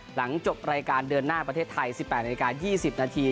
หลังจบรายการเดินหน้าประเทศไทย๑๘นาฬิกา๒๐นาที